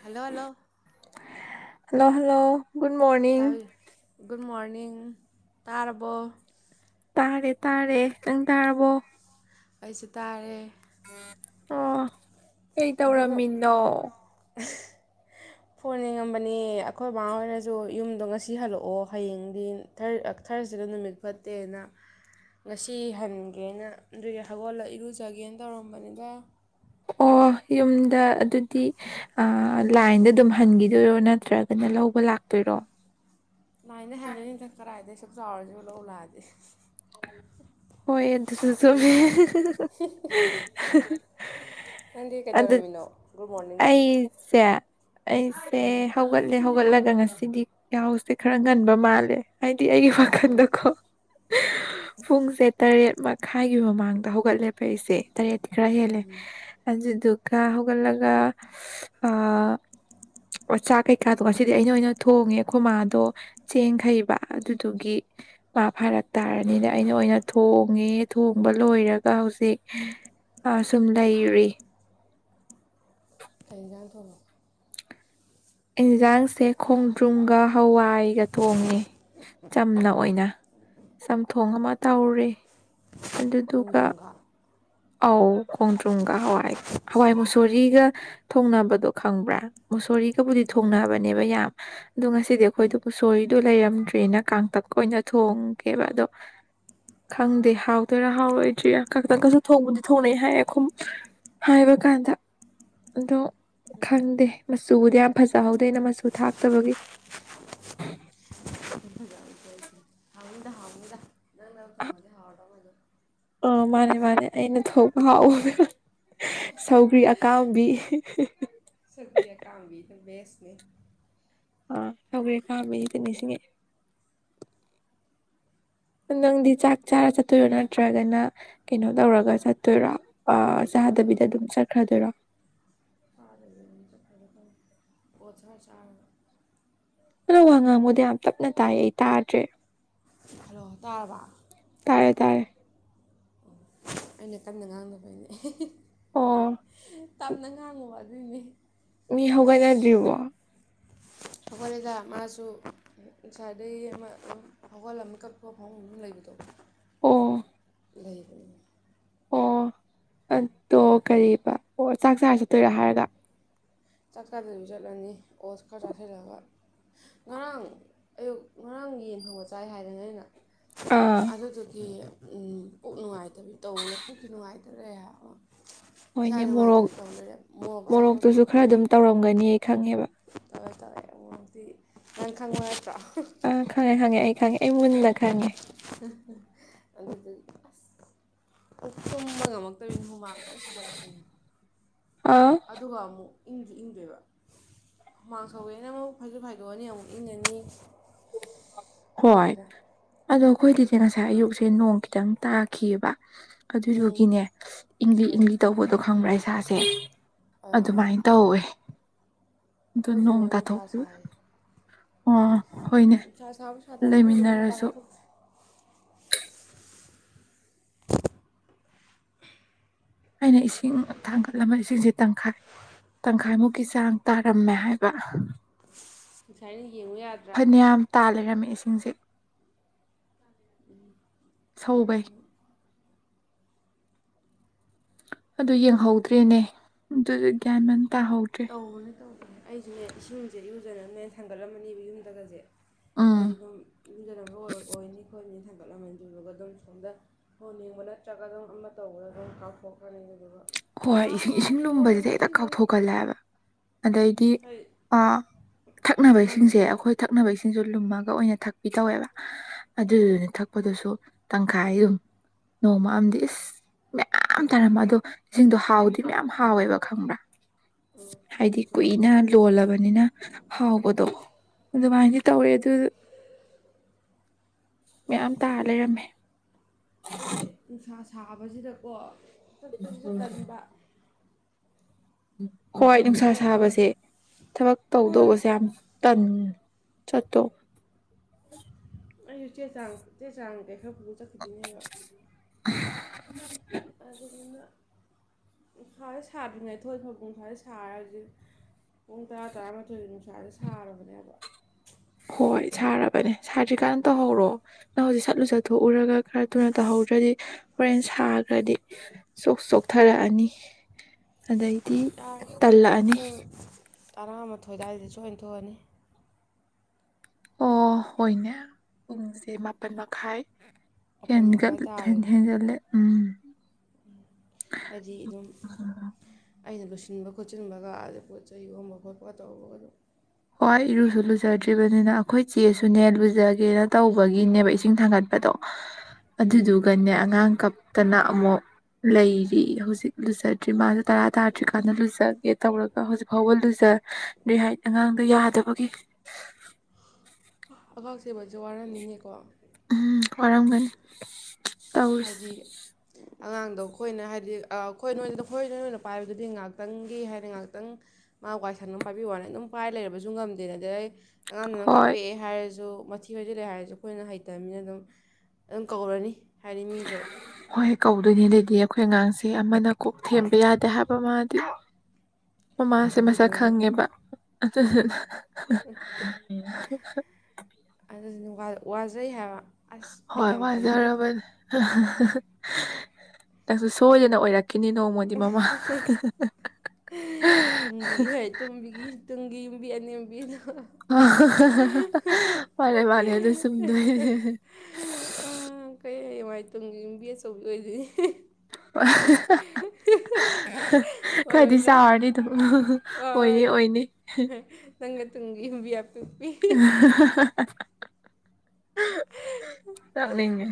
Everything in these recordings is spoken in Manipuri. Hello hello hello hello good morning ꯇꯥꯕꯤ ꯒꯨꯗ ꯃꯣꯔꯅꯤꯡ ꯇꯥꯔꯕꯣ ꯇꯥꯔꯦ ꯇꯥꯔꯦ ꯅꯡ ꯇꯥꯔꯕꯣ ꯑꯩꯁꯨ ꯇꯥꯔꯦ ꯑ ꯀꯩ ꯒꯨꯗ ꯇꯧꯔꯝꯃꯤꯅꯣ ꯐꯣꯟ ꯌꯦꯡꯉꯝꯕꯅꯦ ꯑꯩꯈꯣꯏ ꯃꯃꯥ ꯍꯣꯏꯅꯁꯨ ꯌꯨꯝꯗꯣ ꯉꯁꯤ ꯍꯜꯂꯛꯑꯣ ꯍꯌꯦꯡꯗꯤꯔ ꯊꯔꯁꯤꯗ ꯅꯨꯃꯤꯠ ꯐꯠꯇꯦꯅ ꯉꯁꯤ ꯍꯟꯒꯦꯅ ꯑꯗꯨꯒꯤ ꯍꯧꯒꯣꯜꯂ ꯏꯔꯨꯖꯒꯦꯅ ꯇꯧꯔꯝꯕꯅꯤꯗ ꯑꯣ ꯌꯨꯝꯗ ꯑꯗꯨꯗꯤ ꯂꯥꯏꯟꯗ ꯑꯗꯨꯝ ꯍꯟꯒꯤꯗꯣꯏꯔꯣ ꯅꯠꯇ꯭ꯔꯒꯅ ꯂꯧꯕ ꯂꯥꯛꯇꯣꯏꯔꯣ ꯂꯥꯏꯗꯥ ꯍꯟꯗꯣꯏꯅꯤꯗꯥ ꯀꯔꯥꯏꯗꯩꯩꯁ ꯁꯞ ꯆꯥꯎꯔꯁꯨ ꯂꯧ ꯂꯥꯛꯑꯗꯤ ꯍꯣꯏ ꯑꯗꯨꯁꯨ ꯆꯨꯝꯃꯦ ꯅꯪꯗꯤ ꯑꯗꯨ ꯀꯩꯗꯧꯔꯝꯃꯤꯅꯣ ꯒꯨꯗ ꯃꯣꯔꯅꯤꯡꯁꯦ ꯑꯩꯁꯦ ꯑꯩꯁꯦ ꯍꯧꯒꯠꯂꯦ ꯍꯧꯒꯠꯂ ꯑ ꯉꯁꯤꯗꯤ ꯌꯥꯎꯁꯦ ꯈꯔ ꯉꯟꯕ ꯃꯥꯜꯂꯦ ꯍꯥꯏ ꯗꯤ ꯑꯩꯒꯤ ꯋꯥꯈꯜꯗꯀꯣ ꯄꯨꯡꯁꯦ ꯇꯔꯦꯠ ꯃꯈꯥꯏꯒꯤ ꯃꯃꯥꯡꯗ ꯍꯧꯒꯠꯂꯦꯕ ꯐꯩꯁꯦ ꯇꯔꯦꯠꯇ ꯈꯔ ꯍꯦꯜꯂꯦ ꯑꯗꯨꯗꯨ ꯀꯌꯥ ꯍꯒ ꯂꯒ ꯑꯣ ꯆꯥꯛ ꯀꯩꯀꯥꯗꯣ ꯉꯁꯤꯗꯤ ꯑꯩꯅ ꯑꯣꯏꯅ ꯊꯣꯡꯉꯦ ꯑꯩꯈꯣꯏ ꯃꯥꯗꯣ ꯆꯦꯡ ꯍꯩꯕ ꯑꯗꯨꯗꯨꯒꯤ ꯃꯥ ꯐꯥꯔꯛ ꯇꯥꯔꯅꯤꯅ ꯑꯩꯅ ꯑꯣꯏꯅ ꯊꯣꯡꯉꯦ ꯊꯣꯡꯕ ꯂꯣꯏꯔꯒ ꯍꯧꯖꯤꯛ ꯁꯨꯝ ꯂꯩꯔꯔꯤ ꯀꯩꯍꯦꯟꯖꯡ ꯊꯣꯉꯦ ꯏꯟꯁꯥꯡꯁꯦ ꯈꯣꯡꯗ꯭ꯔꯨꯝꯒ ꯍꯋꯥꯏꯒ ꯊꯣꯡꯉꯦ ꯆꯝꯅ ꯑꯣꯏꯅ ꯆꯝꯊꯣꯡ ꯑꯃ ꯇꯧꯔꯦ ꯑꯗꯨꯗꯨꯒ ꯈꯣꯡꯗ꯭ꯔꯨꯝꯒ ꯑꯧ ꯈꯣꯡꯗ꯭ꯔꯨꯝꯒ ꯍꯋꯥꯏ ꯍꯋꯥꯏ ꯃꯨꯁꯣꯔꯤꯒ ꯊꯣꯡꯅꯕꯗꯣ ꯈꯡꯕꯔꯥ ꯃꯨꯁꯣꯔꯤ ꯀꯕꯨꯗꯤ ꯊꯣꯡꯅ ꯍꯥꯏꯕꯅꯦꯕ ꯌꯥꯝ ꯑꯣ ꯉꯁꯤꯗꯤ ꯑꯩꯈꯣꯏꯗꯨ ꯎꯆꯣꯏꯗꯤ ꯂꯩꯔꯝ ꯇ꯭ꯔꯤꯅ ꯀꯥꯡꯇꯛꯀ ꯑꯣꯏꯅ ꯊꯣꯡꯒꯦꯕ ꯑꯗꯣ ꯈꯡꯗꯦ ꯍꯥꯎꯗꯣꯏꯔꯥ ꯍꯥꯎꯔꯣꯏꯗ꯭ꯔꯤꯔꯥ ꯀꯥꯡ ꯇꯥꯛꯀꯥꯁꯨꯝ ꯊꯣꯡꯕꯗꯤ ꯊꯣꯡꯅꯩ ꯍꯥꯏꯌꯦꯈꯨꯝ ꯍꯥꯏꯕ ꯀꯥꯟꯗ ꯑꯗꯣ ꯈꯡꯗꯦ ꯃꯆꯨꯕꯨꯗꯤ ꯌꯥꯝ ꯐꯖꯍꯧꯗꯦ ꯑꯩꯅ ꯃꯆꯨ ꯊꯥꯛꯇꯕꯒꯤ ꯍꯥꯎꯅꯤꯗ ꯍꯥꯎꯅꯤꯗ ꯅꯪꯅ ꯑ ꯊꯣꯡꯉꯗꯤ ꯍꯥꯎꯔꯗꯧ ꯃꯥꯟꯗꯦ ꯑ ꯃꯥꯅꯦ ꯃꯥꯅꯦ ꯑꯩꯅ ꯊꯣꯛꯄ ꯍꯥꯎꯎꯕ ꯁꯧꯒ꯭ꯔꯤ ꯑꯀꯥꯝꯕꯤ ꯁꯀ꯭ꯔꯤꯌꯥ ꯀꯝꯕꯤꯅꯥ ꯅꯦꯁꯅꯤ ꯑꯥ ꯁꯧꯒꯤ ꯑꯀꯥꯕꯤ ꯀꯅꯤꯁꯤꯉꯦ ꯅꯡꯗꯤ ꯆꯥꯛ ꯆꯥꯔ ꯆꯠꯇꯣꯏꯔꯣ ꯅꯠꯇ꯭ꯔꯒꯅ ꯀꯩꯅꯣ ꯇꯧꯔꯒ ꯆꯠꯇꯣꯏꯔꯣ ꯆꯥꯗꯕꯤꯗ ꯑꯩꯁꯦ ꯑꯗꯨꯝ ꯆꯠꯈ꯭ꯔꯗꯣꯏꯔꯣ ꯑꯣꯊꯔ ꯆꯥ ꯅꯡ ꯋꯥꯉꯥꯡꯕꯗꯨ ꯌꯥꯝ ꯇꯞꯅ ꯇꯥꯏ ꯑꯩ ꯇꯥꯗ꯭ꯔꯦ ꯍꯜꯂꯣ ꯇꯥꯔꯕ ꯇꯥꯔꯦ ꯇꯥꯔꯦ ꯑꯩꯅ ꯇꯞꯅꯥ ꯉꯥꯡꯅꯕꯩꯅꯤ ꯑꯣ꯫ ꯇꯞꯅ ꯉꯥꯡꯉꯨꯕ ꯑꯗꯨꯏꯅꯦ꯫ ꯃꯤ ꯍꯧꯒꯥꯏꯅꯗ꯭ꯔꯤꯕꯣ꯫ ꯍꯧꯒꯜꯂꯦꯗ ꯃꯥꯁꯨ ꯉꯁꯥꯏꯗꯒꯤ ꯑꯃ ꯍꯧꯒꯜ ꯑꯃ ꯃꯤꯀꯞ ꯊꯣꯛꯑꯒꯥ ꯐꯃꯨꯡ ꯂꯩꯕꯗꯣ꯫ ꯑꯣ꯫ ꯂꯩ ꯑꯣ ꯑꯗꯣ ꯀꯔꯤꯕ꯫ ꯆꯥꯛ ꯆꯥꯔ ꯆꯠꯇꯣꯏꯔꯥ ꯀꯔꯤ ꯍꯥꯏꯔꯒ꯫ ꯆꯥꯛ ꯆꯥꯗꯕꯤ ꯆꯠꯂꯅꯤ ꯑꯣꯇ꯭ꯁ ꯈꯔ ꯆꯥꯁꯤꯜꯂꯒ ꯉꯔꯥꯡ ꯑꯌꯨꯛ ꯉꯔꯥꯡ ꯌꯦꯟ ꯊꯣꯡꯕ ꯆꯥꯏ ꯍꯥꯏꯗꯅ ꯑꯩꯅ꯫ ꯑꯥ ꯑꯗꯨꯗꯨꯒꯤ꯫ ꯎꯝ ꯄꯨꯛ ꯅꯨꯡꯉꯥꯏꯇꯕꯤ ꯇꯧꯕꯅ ꯄꯨꯛꯁꯨ ꯅꯨꯡꯉꯥꯏꯇ ꯂꯩꯔꯦ ꯍꯥꯏꯕꯥ꯫ ꯏꯁꯥ ꯍꯣꯏꯅꯦ ꯃꯣꯔꯣꯛ ꯅꯨꯡꯉꯥꯏꯇꯕꯤ ꯇꯧꯔꯥ ꯂꯩꯔꯦꯕ ꯃꯣꯔꯣꯛ ꯆꯥꯕꯒꯤ꯫ ꯇꯧꯔꯝꯒꯅꯤꯌꯦ ꯈꯪꯉꯦꯕ꯫ ꯇꯧꯋꯦ ꯇꯧꯋꯦ ꯎꯝꯃꯣꯔꯣꯛꯇꯤ ꯅꯪ ꯈꯪꯕ ꯅꯠꯇ꯭ꯔꯣ꯫ ꯑ ꯈꯪꯉꯦ ꯈꯪꯉꯦ ꯑꯩ ꯈꯪꯉꯦ ꯑꯩ ꯃꯨꯟꯅ ꯈꯪꯉꯦ꯫ ꯑꯗꯨꯗꯨꯒꯤ ꯑꯁ ꯇꯨꯝꯕ ꯉꯝꯃꯛꯇꯕꯅꯤꯅ ꯍꯨꯃꯥꯡ ꯀꯟꯅ ꯁꯧꯒꯠꯂꯛꯄꯤꯅꯦꯕ꯫ ꯑꯥ ꯑꯗꯨꯒꯥ ꯑꯃꯨꯛ꯫ ꯏꯪꯓꯨ ꯏꯪꯗꯣꯏꯕ ꯍꯨꯃꯥꯡ ꯁꯧꯋꯦꯅ ꯑꯃꯨꯛ ꯐꯩꯖꯨꯞ ꯍꯥꯏꯗꯣꯛꯑꯅꯤ ꯑꯃꯨꯛ ꯏꯪꯉꯅꯤ꯫ ꯍꯣꯏ ꯈꯪꯗ꯭ꯔꯦꯗ ꯑꯗꯣ꯫ ꯑꯩꯈꯣꯏꯒꯤꯗꯤ ꯉꯁꯥꯏ ꯑꯌꯨꯛꯁꯦ ꯅꯣꯡ ꯈꯤꯇꯪ ꯇꯥꯈꯤꯕꯌꯦꯕꯥ꯫ ꯎꯝ ꯑꯗꯨꯗꯨꯒꯤꯅꯦ ꯏꯪꯂꯤ ꯏꯪꯂꯤ ꯇꯧꯕꯗꯣ ꯈꯪꯕ꯭ꯔꯥ ꯍꯥꯏꯁꯦ꯫ ꯏꯁꯥꯁꯦ꯫ ꯑꯥ ꯑꯥ ꯑꯗꯨꯃꯥꯏꯅ ꯇꯧꯋꯦ꯫ ꯑꯗꯨ ꯑꯩꯈꯣꯏ ꯅꯣꯡ ꯁꯤꯗ ꯅꯨꯡꯁꯥ ꯊꯣꯛꯈꯤꯕ꯫ ꯁꯥꯏꯌꯦ ꯑꯣ꯫ ꯍꯣꯏꯅꯦ ꯅꯨꯡꯁꯥ ꯁꯥꯕ꯫ ꯁꯥꯗꯕ꯭ꯔꯥ ꯈꯪꯗꯦꯗ ꯂꯩꯃꯤꯟꯅꯔꯁꯨ꯫ ꯃꯄꯥꯟꯒ ꯊꯣꯛꯇ꯭ꯔꯦ ꯑꯩꯅ ꯏꯁꯤꯡ ꯊꯥꯡꯒꯠꯂꯝꯕ ꯏꯁꯤꯡꯁꯦ ꯇꯪꯈꯥꯏ ꯇꯪꯈꯥꯏꯃꯨꯛꯀꯤ ꯆꯥꯡ ꯇꯥꯔꯝꯃꯦ ꯍꯥꯏꯕ꯫ ꯉꯁꯥꯏꯅ꯫ ꯌꯦꯡꯉꯨ ꯌꯥꯗ꯭ꯔꯥ ꯐꯅꯌꯥꯝ ꯇꯥ ꯂꯩꯔꯝꯃꯤꯁꯦ꯫ ꯍꯖꯤꯛ꯫ ꯁꯧꯕꯩ꯫ ꯇꯥꯍꯟꯅꯤꯡꯉꯤ ꯑꯗꯨ ꯌꯦꯡꯍꯧꯗ꯭ꯔꯦꯅꯦ ꯑꯗꯨꯗ ꯒ꯭ꯌꯥꯟꯃꯦꯟ꯫ ꯇꯥꯍꯧꯗꯔ꯭ꯦ꯫ ꯑꯩꯖꯨꯅꯦ ꯏꯁꯤꯡꯖꯦ ꯏꯔꯨꯖꯅꯕꯅꯦꯅ ꯊꯥꯡꯒꯠꯂꯝꯃꯅꯦꯕ ꯌꯨꯝꯗꯒꯖꯦ꯫ ꯎꯝ ꯑꯩꯗꯤ ꯑꯗꯨꯝ [unintelligible] ꯑꯣꯏ ꯑꯣꯏꯅꯤ ꯈꯣꯠꯅꯤ ꯊꯥꯡꯒꯠꯂꯝꯃꯅꯤ ꯑꯗꯨꯗꯨꯒ ꯑꯗꯨꯝ ꯁꯣꯝꯗ ꯐꯣꯟ ꯌꯦꯡꯕ ꯅꯠꯇ꯭ꯔꯒ ꯑꯗꯨꯝ ꯑꯃ ꯇꯧꯕꯗ ꯑꯗꯨꯝ ꯀꯥꯎꯊꯣꯛꯈ꯭꯭ꯔꯅꯤ ꯑꯗꯨꯗꯨꯒ ꯍꯣꯏ ꯏꯁꯤꯡ ꯑꯥ ꯏꯁꯤꯡ ꯀꯣꯟꯅ ꯂꯨꯝꯕꯖꯤꯗꯤ ꯍꯦꯛꯇ ꯅꯤꯡꯁꯤꯡꯉꯅꯤ ꯀꯥꯎꯊꯣꯛꯀꯜꯂꯦ ꯍꯥꯏꯕ꯫ ꯑꯗꯩꯗꯤ ꯍꯥꯏꯗꯤ ꯑꯥ ꯊꯛꯅꯕ ꯏꯁꯤꯡꯁꯦ ꯏꯟꯁꯥꯡꯒꯨꯝꯕꯁꯨ ꯑꯩꯈꯣꯏ ꯊꯛꯅꯕ ꯢꯁꯤꯡ ꯖꯨ ꯂꯨꯝꯃꯒ ꯑꯣꯏꯅ ꯊꯛꯄꯤ ꯇꯧꯋꯦꯕ꯫ ꯑꯥ ꯑꯥ ꯑꯗꯨꯗꯨꯅ ꯊꯛꯄꯗꯨꯁꯨ ꯇꯪꯈꯥꯏꯑꯃꯨꯛ ꯅꯣꯡꯃ ꯑꯝꯗꯤ ꯏꯁꯁ ꯃꯌꯥꯝ ꯇꯥꯔꯝꯕ ꯑꯗꯨ ꯏꯁꯤꯡꯗꯣ ꯍꯥꯎꯗꯤ ꯃꯌꯥꯝ ꯍꯥꯎꯋꯦꯕ ꯈꯪꯕ꯭ꯔꯥ꯫ ꯎꯝ ꯍꯥꯏꯗꯤ ꯐꯨꯠꯄꯩ ꯀꯨꯏꯅ ꯂꯣꯜꯂꯕꯅꯤꯅ ꯎꯝ ꯍꯥꯎꯕꯗꯣ ꯑꯗꯨꯃꯥꯏꯗꯤ ꯇꯧꯋꯦ ꯑꯗꯨ ꯃꯌꯥꯝ ꯇꯥꯔ ꯂꯩꯔꯝꯃꯦ꯫ ꯑꯩꯖꯦ ꯅꯨꯡꯁꯥ ꯁꯥꯕꯁꯤꯗꯀꯣ ꯆꯠꯄꯖꯤꯁꯨ ꯇꯟꯕ ꯍꯣꯏ ꯅꯨꯡꯁꯥ ꯁꯥꯕꯁꯦ ꯊꯕꯛ ꯍꯣꯏ ꯇꯧꯗꯧꯕꯁꯦ ꯌꯥꯝ ꯇꯟ ꯆꯠꯇꯧ ꯑꯩꯖꯤ ꯆꯦ ꯆꯥꯡ ꯆꯦ ꯆꯥꯡ ꯀꯩ ꯈꯔ ꯄꯨꯔꯥ ꯆꯠꯈꯤꯗꯣꯏꯅꯦꯕ꯫ ꯑꯗꯨꯗꯨꯅ ꯅꯨꯡꯁꯥꯖꯦ ꯁꯥꯗ꯭ꯔꯤꯉꯩ ꯊꯣꯛꯑꯗ ꯅꯨꯡꯁꯥꯖꯦ ꯁꯥꯔ ꯍꯧꯖꯤꯛ ꯄꯨꯡ ꯇꯔꯥ ꯇꯔꯥꯃꯥꯊꯣꯏꯒꯤ ꯅꯨꯡꯁꯥꯥꯖꯖꯦ ꯁꯥꯔꯕꯅꯦ ꯍꯣꯏ ꯁꯥꯔꯕꯅꯦ ꯁꯥꯗꯔꯤ ꯀꯥꯟ ꯇꯧꯍꯧꯔꯣ ꯅꯪ ꯍꯧꯖꯤꯛ ꯁꯠ ꯂꯨꯖꯊꯣꯛꯎꯔꯒ ꯈꯔ ꯊꯨꯅ ꯇꯧꯍꯧꯗ꯭ꯔꯗꯤ ꯍꯣꯔꯦꯟ ꯁꯥꯈ꯭ꯔꯗꯤ ꯆꯣꯛ ꯆꯣꯛꯊꯔꯛꯑꯅꯤ꯫ ꯑꯗꯩꯗꯤ ꯌꯥꯔꯦꯗ ꯑꯗꯨꯝ ꯇꯜꯂꯛꯑꯅꯤ꯫ ꯄꯨꯡ ꯇꯔꯥꯃꯥꯊꯣꯏ ꯑꯗꯥꯏꯗꯗꯤ ꯁꯣꯢ ꯊꯣꯛꯑꯅꯤ꯫ ꯑꯣ ꯍꯣꯏꯅꯦ ꯄꯨꯡꯖꯦ ꯃꯥꯄꯟ ꯃꯈꯥꯏ ꯃꯥꯄꯜ ꯍꯦꯟꯒꯠ ꯃꯈꯥꯏ ꯍꯦꯟ ꯇꯥꯔꯗꯤ ꯍꯦꯟꯒꯠꯂꯦ꯫ ꯎꯝ꯫ ꯍꯥꯏꯗꯤ ꯑꯗꯨꯝ ꯑꯩꯅ ꯂꯣꯏꯁꯤꯟꯕ ꯈꯣꯠꯆꯤꯟꯕꯒ ꯑꯗ ꯄꯣꯠ ꯆꯩ ꯌꯣꯟꯕ ꯈꯣꯠꯄꯒ ꯇꯧꯕꯒ ꯑꯗꯨꯝ ꯍꯣꯏ ꯏꯔꯨꯖꯨ ꯂꯨꯖꯗ꯭ꯔꯤꯕꯅꯤꯅ꯫ ꯑꯩꯈꯣꯏ ꯆꯦꯁꯨꯅꯦ ꯂꯨꯖꯒꯦꯅ ꯇꯧꯕꯒꯤꯅꯦꯕ ꯏꯁꯤꯡ ꯊꯥꯡꯒꯠꯄꯗꯣ ꯎꯝ ꯑꯗꯨꯗꯨꯒꯅꯦ ꯑꯉꯥꯡ ꯀꯞ ꯇꯅ ꯑꯃꯨꯛ ꯂꯩꯔꯤ ꯏꯔꯨꯖꯤ ꯂꯨꯖꯗ꯭ꯔꯤ ꯃꯥꯗꯤ ꯇꯔꯥ ꯇꯥꯗ꯭ꯔꯤꯀꯥꯟꯗ ꯂꯨꯖꯒꯦ ꯇꯧꯔꯒ ꯍꯧꯖꯤꯛ ꯐꯥꯎꯕ ꯂꯨꯖꯗ꯭ꯔꯤ ꯍꯥꯏꯗꯤ ꯑꯉꯥꯡ ꯌꯥꯗꯕꯒꯤ꯫ ꯑꯉꯥꯡ ꯆꯦꯟꯕꯁꯦ ꯋꯥꯔꯝꯅꯤꯅꯦꯀꯣ꯫ ꯎꯝ ꯋꯥꯔꯝꯒꯅꯤ꯫ ꯇꯧꯔꯤꯁꯦ ꯍꯥꯏꯗꯤ꯫ ꯑꯉꯥꯡꯗꯣ ꯑꯩꯈꯣꯏꯅ ꯍꯥꯏꯗꯤ ꯑꯩꯈꯣꯏ ꯅꯣꯏꯅꯗ ꯑꯩꯈꯣꯏ ꯅ ꯅꯣꯏꯅ ꯄꯥꯏꯕꯗꯨꯗꯤ ꯉꯥꯏꯍꯥꯛꯇꯪꯒꯤ ꯍꯥꯏꯅ ꯉꯥꯏꯍꯥꯛꯇꯪ ꯃꯥ ꯋꯥꯏ ꯁꯟ ꯑꯃ ꯄꯥꯏꯕꯤꯕ ꯋꯥꯅꯤ ꯑꯗꯨꯝ ꯄꯥꯏ ꯂꯩꯔꯕꯁꯨ ꯉꯝꯗꯦ ꯑꯗꯨꯗꯩ꯫ ꯑꯉꯥꯡꯗꯨꯅ ꯍꯣꯏ ꯀꯥꯞꯄꯛꯑꯦ ꯍꯥꯏꯔꯁꯨ꯫ ꯃꯊꯤ ꯐꯥꯏꯖꯤꯜꯂꯦ ꯍꯥꯏꯔꯁꯨ ꯑꯩꯈꯣꯏꯅ ꯍꯩꯇꯕꯅꯤꯅ ꯑꯗꯨꯝ ꯑꯗꯨꯝ ꯀꯧꯔꯅꯤ꯫ ꯍꯥꯏꯗꯤ ꯃꯤꯗꯣ ꯍꯣꯏ ꯀꯧꯗꯣꯏꯅꯦ ꯑꯗꯨꯗꯤ ꯑꯩꯈꯣꯏ ꯑꯉꯥꯡꯁꯦ꯫ ꯁꯤ ꯑꯃꯅ ꯀꯣꯛ ꯊꯦꯝꯕ ꯌꯥꯗꯦ ꯍꯥꯏꯕ ꯃꯥꯗꯤ꯫ ꯃꯃꯥꯁꯦ ꯃꯁꯛ ꯑꯗꯨꯗꯨꯅ ꯈꯪꯉꯦꯕ ꯑꯗꯨꯗꯨꯅ꯫ ꯑꯗꯨꯗꯨꯅ ꯋꯥꯖꯩ ꯍꯥꯏꯕ꯫ ꯑꯁ ꯑꯩ ꯍꯣꯏ ꯌꯥꯝ ꯇꯜꯂꯤꯕꯣ ꯋꯥꯏꯖꯔꯕꯅꯦ꯫ ꯅꯪꯁꯨ ꯁꯣꯏꯗꯅ ꯑꯣꯏꯔꯛ꯫ ꯇꯨꯝꯕꯤ ꯍꯣꯏ ꯇꯕꯤꯒꯤ ꯇꯨꯡꯒꯤ꯫ ꯑꯗꯨꯕꯤ ꯑꯅꯦꯝꯕꯤꯗ꯫ ꯑ ꯃꯥꯅꯦ ꯃꯥꯅꯦ ꯑꯥꯗꯨ ꯆꯨꯝꯗꯣꯏꯅꯤ꯫ ꯑꯩ ꯃꯥꯏ ꯇꯨꯡꯒꯤ ꯌꯨꯝ ꯕꯤ ꯑꯆꯧꯕꯤ ꯑꯣꯏꯗꯣꯏꯅꯤ꯫ ꯈꯔꯗꯤ ꯑꯣꯏꯔꯣꯏꯗ꯭ꯔꯥ ꯆꯥꯎꯔꯅꯤ ꯑꯗꯨꯝ꯫ ꯑꯣꯏꯅꯤ ꯑꯣꯏꯅꯤ꯫ ꯇꯪ ꯇꯨꯡꯒꯤ ꯌꯨꯝ꯫ ꯑꯍꯥꯍꯥꯍꯥ꯫ ꯆꯂꯤꯒ꯫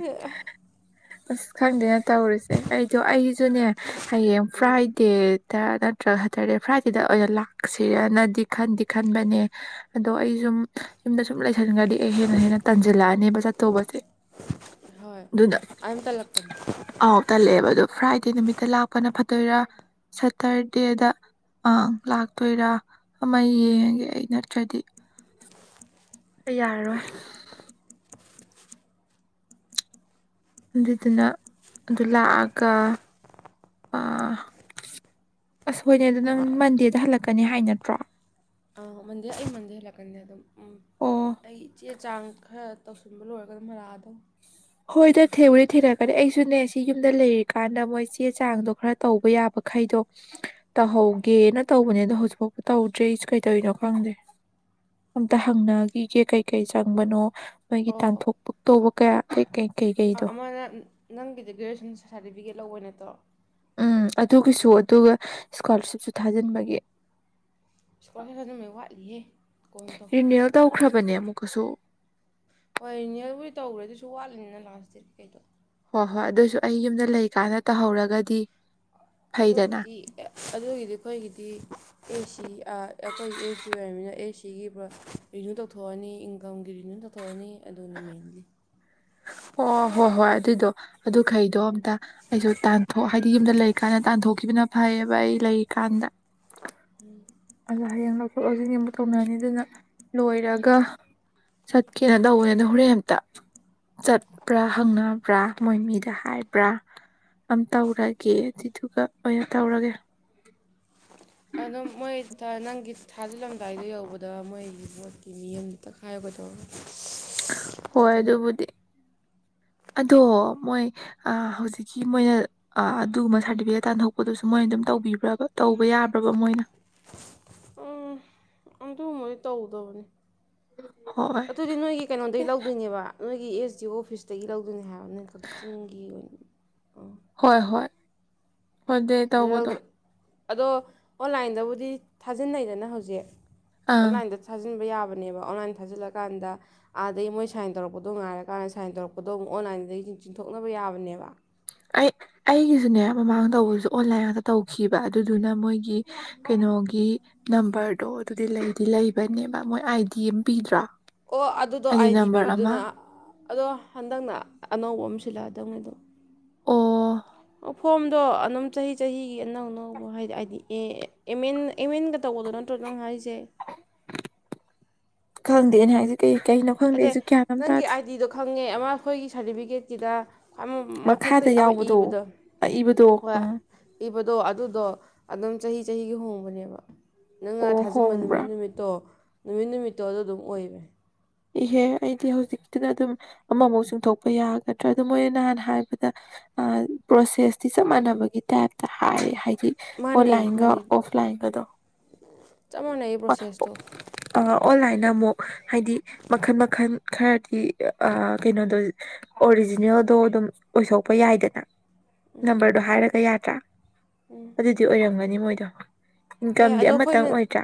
ꯑꯁ ꯈꯪꯗꯦ꯫ ꯇꯧꯔꯤꯁꯦ ꯑꯩꯗꯣ ꯑꯩꯁꯨꯅꯦ ꯍꯌꯦꯡ ꯎꯝ ꯐ꯭ꯔꯥꯏꯗꯦ ꯅꯠꯇ꯭ꯔꯒ ꯁꯇꯔꯗꯦ ꯐ꯭ꯔꯥꯏꯗꯦꯗ ꯑꯣꯏꯅ ꯂꯥꯛꯁꯤꯔꯅꯗꯤ ꯈꯟꯗꯤ ꯈꯟꯕꯅꯦ ꯑꯗꯣ ꯑꯩ ꯁꯨꯝ ꯌꯨꯝꯗ ꯁꯨꯝ ꯂꯩ꯫ ꯟꯒꯥꯗꯤ ꯑꯩ ꯍꯦꯟꯅ ꯍꯦꯟꯅ ꯇꯥꯟꯁꯤꯜꯂꯛꯑꯅꯦꯕ ꯆꯠꯊꯧꯕꯁꯦ ꯍꯣꯏ ꯑꯗꯨꯅ꯫ ꯑꯗꯨꯝ ꯇꯜꯂꯛꯄꯅꯦ ꯑꯥꯎ ꯇꯜꯂꯦꯕ ꯑ ꯐ꯭ꯔꯥꯏꯗꯦ ꯅꯨꯃꯤꯠꯇ ꯂꯥꯛꯄꯅ ꯐꯗꯣꯏꯔ꯫ ꯁꯠꯇꯔꯗꯦꯗ꯫ ꯑꯪ ꯂꯥꯛꯇꯣꯏꯔꯥ꯫ ꯑꯃ ꯌꯦꯡꯉꯒꯦ ꯑꯩ ꯅꯠꯇ꯭ꯔꯗꯤ ꯑꯩ ꯌꯥꯔꯔꯣꯏ꯫ ꯑꯗꯨꯗꯨꯅ ꯑꯗꯨ ꯂꯥꯛꯑꯒ ꯑ ꯑꯁ ꯍꯣꯏꯅꯦ ꯑꯗꯣ ꯅꯪ ꯃꯟꯗꯦꯗ ꯍꯜꯂꯛꯀꯅꯤ ꯍꯥꯏ ꯅꯠꯇ꯭ꯔꯣ꯫ ꯃꯟꯗꯦ ꯑꯩ ꯃꯟꯗꯦ ꯍꯂꯛꯀꯅꯤꯗ ꯑꯗꯨꯝ ꯎꯝ ꯑꯣ ꯑꯩ ꯆꯦ ꯆꯥꯡ ꯈꯔ꯫ ꯇꯧꯁꯤꯟꯕ ꯂꯣꯏꯔꯒ ꯑꯗꯨꯝ ꯍꯥꯜꯂꯛꯗꯕꯅꯦ꯫ ꯍꯣꯏꯗ ꯊꯦꯡꯎꯗꯤ ꯊꯦꯡꯅꯛꯀꯅꯤ ꯑꯩꯁꯨꯅꯦ ꯁꯤ ꯌꯨꯝꯗ ꯂꯩꯔꯤꯀꯥꯟꯗ ꯃꯣꯏ ꯆꯦ ꯆꯥꯡꯗꯣ ꯈꯔ ꯇꯧꯕ ꯌꯥꯕꯈꯩꯗꯣ ꯇꯧꯍꯧꯒꯦꯅ ꯇꯧꯕꯅꯦ ꯑꯗꯣ ꯍꯧꯖꯤꯛꯐꯥꯎꯕ ꯇꯧꯗ꯭ꯔꯔꯤꯁꯨ ꯀꯩ ꯇꯧꯔꯤꯅꯣ ꯈꯪꯗ꯭ꯔꯦ ꯑꯝꯇ ꯍꯪꯅꯈꯤꯒꯦ ꯀꯩꯀꯩ ꯆꯪꯕꯅꯣ꯫ ꯃꯣꯏꯒꯤ ꯇꯥꯟꯊꯣꯛꯄ ꯇꯧꯕ꯫ ꯑꯣ ꯀ ꯀꯩꯀꯩ ꯀꯩꯀꯩꯗꯣ ꯑꯃꯅ ꯅꯪꯒꯤ ꯒ꯭ꯔꯦꯖꯨꯌꯦꯁꯟ ꯁꯥꯔꯇꯤꯐꯤꯀꯦꯠ ꯂꯧꯕ ꯅꯠꯇ꯭ꯔꯣ ꯎꯝ ꯑꯗꯨꯒꯤꯁꯨ ꯑꯗꯨꯒ ꯏꯁꯀꯣꯂꯥꯔꯁꯤꯞꯁꯨ ꯊꯥꯖꯤꯟꯕꯒꯤ ꯏꯁꯀꯣꯂꯔꯞ ꯑꯗꯨ ꯃ ꯋꯥꯠꯂꯤꯍꯦ ꯀꯣꯟ ꯇꯧ ꯏꯅꯤꯂ ꯇ ꯀꯈ꯭ꯔꯥꯕꯅꯤꯃꯨ ꯀꯁꯨ ꯍꯣꯏꯅꯦꯜꯕꯨꯗꯤ ꯇꯧꯈ꯭ꯔꯦ ꯑꯗꯨꯁꯨ ꯋꯥꯠꯂꯤꯅꯤꯅ ꯂꯥꯁ ꯗꯦꯠꯀꯤꯀꯩꯗꯣ ꯍꯣꯏ ꯍꯣꯏ ꯑꯗꯨꯑꯣꯏꯁꯨ ꯑꯩ ꯌꯨꯝꯗ ꯂꯩꯀꯥꯟꯗ ꯇꯧꯍꯧꯔꯒꯗꯤ ꯐꯩꯗꯅ ꯑꯗꯨꯒꯤꯗꯤ ꯑꯗꯨꯒꯤꯗꯤ ꯑꯩꯈꯣꯏꯒꯤꯗꯤ ꯑꯦꯁꯤ ꯑꯩꯈꯣꯏ ꯑꯦꯁꯤ ꯑꯣꯏꯔꯕꯃꯤꯅ ꯑꯦ ꯁꯤ ꯁꯤꯒꯤ ꯔꯤꯅ꯭ꯌꯨ ꯇꯧꯊꯣꯛꯑꯅꯤ ꯏꯟꯀꯝꯒꯤ ꯔꯤꯅ꯭ꯌꯨ ꯇꯧꯊꯣꯛꯑꯅꯤ ꯑꯗꯨꯅꯤ ꯃꯦꯟꯂꯤ ꯑꯣ ꯍꯣꯏ ꯍꯣꯏ ꯑꯗꯨꯏꯗꯣ ꯑꯗꯨꯈꯩꯗꯣ ꯑꯝꯇ ꯑꯩꯁꯨ ꯇꯥꯟꯊꯣꯛ ꯍꯥꯏꯗꯤ ꯌꯨꯝꯗ ꯂꯩ ꯀꯥꯏꯅ ꯇꯥꯟꯊꯣꯛꯈꯤꯕꯅ ꯐꯩꯌꯦꯕ ꯑꯩ ꯂꯩꯔꯤꯀꯥꯟꯗ ꯎꯝ ꯑꯗꯣ ꯍꯌꯦꯡ ꯂꯧꯊꯣꯛ ꯂꯧꯁꯤꯟ ꯌꯦ ꯑꯃꯨ ꯇꯧꯅꯔꯅꯤ ꯑꯗꯨꯅ ꯂꯣꯏꯔꯒ ꯆꯠꯀꯦꯅ ꯇꯧꯕꯅꯤ ꯑꯗꯣ ꯍꯣꯔꯦꯟ ꯑꯇ ꯆꯠꯄ꯭ꯔꯥ ꯍꯪꯅꯕ꯭ꯔꯥ ꯃꯣꯏ ꯃꯤꯗ ꯍꯥꯏꯕ꯭ꯔꯥ ꯑꯝ ꯇꯧꯔꯒꯦ ꯑꯗꯨꯗꯨꯒ ꯂ ꯇꯧꯔꯒꯦ ꯑꯗꯨꯝ ꯃꯣꯏ ꯅꯪꯒꯤ ꯊꯥꯖꯤꯜꯂꯝꯗꯥꯏꯗ ꯌꯧꯕꯗ ꯃꯣꯏꯒꯤ ꯕꯣꯠꯀꯤ ꯃꯤ ꯑꯃꯗ ꯇꯛꯈꯥꯏꯌꯒꯗꯧꯔ ꯍꯣꯏ ꯑꯗꯨꯕꯨꯗꯤ ꯑꯗꯣ ꯃꯣꯏ ꯑ ꯍꯧꯖꯤꯛꯀꯤ ꯃꯣꯏꯅ ꯑꯗꯨꯒꯨꯝꯕ ꯁꯥꯔꯇꯤꯐꯤꯀꯦꯠ ꯇꯥꯟꯊꯣꯛꯄꯗꯨꯁꯨ ꯃꯣꯏꯅ ꯑꯗꯨꯝ ꯇꯧꯕꯤꯕ꯭ꯔꯕ ꯇꯧꯕ ꯌꯥꯕ꯭ꯔꯕ ꯃꯣꯏꯅ ꯑꯗꯨ ꯃꯣꯏ ꯇꯧꯗꯕꯅꯤ ꯍꯣꯏ ꯑꯗꯨꯗꯤ ꯅꯣꯏꯒꯤ ꯀꯩꯅꯣꯗꯩ ꯂꯧꯗꯣꯏꯅꯦꯕ ꯅ ꯁꯤ ꯑꯦꯁ ꯗꯤ ꯑꯣꯐꯤꯁꯇꯒꯤ ꯂꯧꯗꯣꯏꯅꯦ ꯍꯥꯏꯔꯕꯅꯦ ꯀꯛꯆꯤꯡꯒꯤ ꯑꯣꯏꯅ ꯍꯣꯏ ꯍꯣꯏ ꯍꯗꯦ ꯇ ꯍꯒꯗꯣ ꯑꯗꯨ ꯑꯗꯣ ꯑꯣꯟꯂꯥꯏꯟꯗꯕꯨꯗꯤ ꯊꯥꯖꯤꯟꯅꯩꯗꯅ ꯍꯧꯖꯤꯛ ꯑꯪ ꯑꯣꯟꯂꯥꯏꯟꯗ ꯊꯥꯖꯤꯟꯕ ꯌꯥꯕ ꯅꯦꯕ ꯑꯣꯟꯂꯥꯏꯟ ꯊꯥꯖꯤꯜꯂꯀꯥꯟꯗ ꯑꯥꯗꯗꯒꯤꯩ ꯃꯣꯏ ꯁꯥꯏꯟ ꯇꯧꯔꯛꯄꯗꯣ ꯉꯥꯏꯔꯀꯥꯟꯗ ꯁꯥꯏꯟ ꯇꯧꯔꯛꯄꯗꯣ ꯑꯃꯨꯛ ꯑꯣꯟꯂꯥꯏꯟꯗꯒꯤ ꯆꯤꯡꯊꯣꯛꯅꯕ ꯌꯥꯕꯅꯦꯕ ꯑꯩ ꯑꯩꯒꯤꯁꯨꯅꯦ ꯃꯃꯥꯡ ꯇꯧꯕꯁꯨ ꯑꯣꯟꯂꯥꯏꯟꯗ ꯇꯧꯈꯤꯕ ꯑꯗꯨꯗꯨꯅ ꯃꯣꯏꯒꯤ ꯀꯩꯅꯣꯒꯤ ꯅꯝꯕꯔꯗꯣ ꯑꯗꯨꯗꯤ ꯂꯩꯗꯤ ꯂꯩꯕꯅꯦꯕ ꯃꯣꯏ ꯑꯥꯏꯗꯤ ꯑꯃ ꯄꯤꯗ꯭ꯔꯥ ꯑꯣ ꯑꯗꯨꯗꯣ ꯑꯥꯏꯗꯤ ꯑꯥꯏ ꯗꯤ ꯅꯝꯕꯔ ꯑꯃ ꯄꯤꯕꯨꯗꯨꯅ ꯑꯗꯣ ꯍꯟꯗꯛꯅ ꯑꯅꯧꯕ ꯑꯃꯁ ꯁꯤꯜꯂꯥꯗꯧꯅꯦꯗꯣ ꯑꯣ ꯐꯣꯝꯗꯣ ꯑꯗꯨꯝ ꯆꯍꯤ ꯆꯍꯤꯒꯤ ꯑꯅꯧ ꯑꯅꯧꯕ ꯍꯥꯏꯗꯤ ꯍꯥꯏꯗꯤ ꯑꯦ ꯑꯦ ꯑꯦꯝ ꯑꯦꯦꯟꯒ ꯇꯧꯕꯗꯣ ꯅꯠꯇ꯭ꯔꯣ ꯅꯪ ꯍꯥꯏꯁꯦ ꯈꯪꯗꯅꯦ ꯍꯥꯏꯗꯤ ꯀꯩ ꯀꯩꯅꯣ ꯈꯪꯗꯦ ꯑꯗ ꯑꯩꯁꯨ ꯒ꯭ꯌꯥꯟ ꯑꯃ ꯅꯪꯒꯤ ꯇꯥꯗꯦ ꯑꯥꯏꯗꯤꯗꯣ ꯈꯪꯉꯦ ꯑꯃ ꯑꯩꯈꯣꯏꯒꯤ ꯁꯥꯔꯇꯤꯐꯤꯀꯦꯠꯀꯤꯗ ꯑꯃ ꯃꯊꯛꯇ ꯃꯈꯥꯗ ꯑꯃ ꯌꯥꯎꯕꯗꯣ ꯏꯕꯗꯣ ꯑꯏꯕꯗꯣ ꯍꯣꯏ ꯎꯝ ꯏꯕꯗꯣ ꯑꯗꯨꯗꯣ ꯑꯗꯨꯝ ꯆꯍꯤ ꯆꯍꯤꯒꯤ ꯍꯣꯡꯕꯅꯦꯕ ꯅꯪꯅ ꯑꯣ ꯊꯥꯖꯤꯟꯕ ꯍꯣꯡꯕ꯭ꯔꯥ ꯅꯨꯃꯤꯠ ꯅꯨꯃꯤꯠꯇꯣ ꯅꯨꯃꯤꯠ ꯅꯨꯃꯤꯠꯇꯣ ꯑꯗꯨ ꯑꯗꯨꯝ ꯑꯣꯏꯕꯅꯦ ꯏꯍꯦ ꯑꯣꯟꯂꯥꯏꯟꯒꯥ ꯃꯥꯅꯦ ꯑꯣꯐꯂꯥꯏꯟꯒꯥꯗꯣ ꯆꯥꯞ ꯃꯥꯟꯅꯩꯌꯦ ꯄꯔꯣꯁꯦꯁꯇꯣ ꯅ ꯑꯃꯨꯛ ꯍꯥꯏꯗꯤ ꯃꯈꯜ ꯃꯈꯜ ꯈꯔꯗꯤ ꯑꯥ ꯀꯩꯅꯣꯗꯣ ꯑꯣꯔꯤꯒꯤꯅꯦꯜꯗꯣ ꯑꯗꯨꯝ ꯑꯣꯏꯊꯣꯛꯄ ꯌꯥꯏꯗꯅ ꯅꯝꯕꯔꯗꯣ ꯍꯥꯏꯔꯒ ꯌꯥꯔꯦ ꯇꯔꯥ ꯑꯗꯨꯗꯤ ꯑꯣꯏꯔꯝꯒꯅꯤ ꯃꯣꯏꯗ ꯑꯦ ꯏꯟꯀꯝꯗꯤ ꯑꯗꯣ ꯑꯃꯇꯪ ꯑꯩꯈꯣꯏꯅ ꯑꯣꯏꯗ꯭ꯔꯥ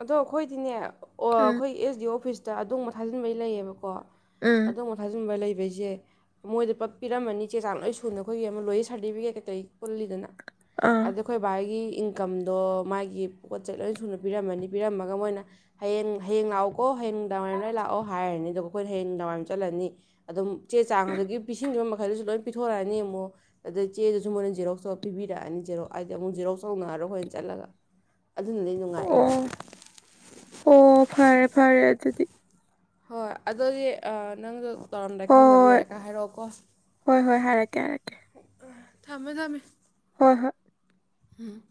ꯑꯗꯣ ꯑꯩꯈꯣꯏꯗꯤꯅꯦ ꯑꯣ ꯎꯝ ꯑꯩꯈꯣꯏ ꯑꯦꯁ ꯗꯤ ꯑꯣ ꯑꯣꯐꯤꯁꯇ ꯑꯗꯨꯝꯕ ꯊꯥꯖꯤꯟꯕꯒꯤ ꯂꯩꯌꯦꯕꯀꯣ ꯎꯝ ꯑꯗꯨ ꯊꯥꯖꯤꯟꯕ ꯂꯩꯕ ꯕꯩꯁꯦ ꯃꯣꯏꯗ ꯄ ꯄꯤꯔꯝꯃꯅꯤ ꯆꯦ ꯆꯥꯡ ꯂꯣꯏ ꯁꯨꯅ ꯑꯩꯈꯣꯏꯒꯤ ꯑꯃ ꯂꯣꯏꯣꯌ ꯁꯥꯔꯇꯤꯐꯤꯀꯦꯠ ꯀꯩꯀꯩ ꯄꯨꯜꯂꯤꯗꯅ ꯑꯥ ꯑꯗꯨ ꯑꯩꯈꯣꯢ ꯕꯥꯥ ꯒꯤ ꯏꯪꯀꯝ ꯗꯣ ꯃꯥꯒꯤ ꯄꯣꯠ ꯆꯩ ꯂꯣꯏ ꯁꯨꯅ ꯄꯤꯔꯝꯃꯅꯤ ꯄꯤꯔꯝꯃꯒ ꯃꯣꯏꯅ ꯍꯌꯦꯡ ꯍꯌꯦꯡ ꯂꯥꯛꯑꯣꯀꯣ ꯍꯌꯦꯡ ꯅꯨꯡꯗꯥꯡꯋꯥꯏꯔꯝ ꯂꯣꯏ ꯂꯥꯛꯑꯣ ꯍꯥꯏꯔꯅꯤꯗꯤ ꯑꯗꯨꯒ ꯑꯩꯈꯣꯏꯅ ꯍꯌꯦꯡ ꯅꯋꯥꯏꯝ ꯆꯠꯂꯅꯤ ꯑꯗꯨꯝ ꯆꯦ ꯆꯥꯡ ꯑꯗꯥꯒꯤ ꯄꯤꯁꯤꯟꯈꯤꯕ ꯃ ꯑꯗꯨꯁꯨ ꯂꯣꯏ ꯄꯤꯊꯣꯔꯛꯑꯅꯤ ꯑꯃꯨꯛ ꯑꯗꯩ ꯆꯦ ꯗꯨꯁꯨ ꯃꯣꯏꯅ ꯖꯦꯔꯣꯛ ꯇꯧꯔꯒꯥ ꯄꯤꯕꯤꯔꯛꯑꯅꯤ ꯑꯃꯨꯛ ꯍꯥꯏꯗꯤ ꯑꯃꯨꯛ ꯖꯦꯔꯣꯛ ꯇꯧꯅꯔꯣꯏ ꯑꯩꯈꯣꯏꯅ ꯆꯠꯂꯒ ꯑꯗꯨꯅꯗꯤ ꯅꯨꯡꯉꯥꯏ ꯑꯩꯗꯤ ꯑꯣ ꯑꯣ ꯐꯔꯦ ꯐꯔꯦ ꯑꯗꯨꯗꯤ ꯍꯣꯏ ꯑꯗꯨꯗꯤ ꯅꯪꯗꯣ ꯇꯧꯔꯝꯗꯥꯏ ꯈꯪꯗꯕ ꯍꯣꯏ ꯍꯣꯏ ꯂꯩꯔꯒ ꯍꯥꯏꯔꯛꯑꯣꯀꯣ ꯍꯣꯏ ꯍꯣꯏ ꯍꯥꯏꯔꯛꯀꯦ ꯍꯥꯏꯔꯛꯀꯦ ꯊꯝꯃꯦ ꯊꯝꯃꯦ ꯍꯣꯏ ꯍꯣꯏ ꯍꯝ